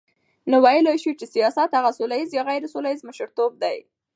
نو ویلای سو چی سیاست هغه سوله ییز یا غیري سوله ییز مشرتوب دی،